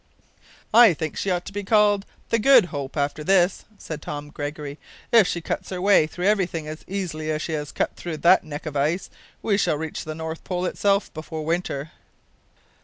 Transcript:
"I think she ought to be called the Good Hope ever after this," said Tom Gregory. "If she cuts her way through everything as easily as she has cut through that neck of ice, we shall reach the North Pole itself before winter."